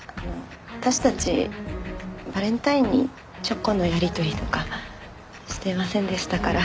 私たちバレンタインにチョコのやり取りとかしてませんでしたから。